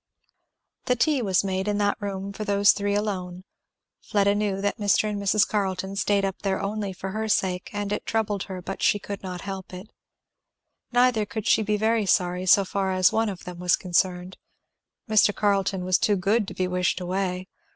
The tea was made in that room for those three alone. Fleda knew that Mr. and Mrs. Carleton staid up there only for her sake, and it troubled her, but she could not help it. Neither could she be very sorry so far as one of them was concerned. Mr. Carleton was too good to be wished away.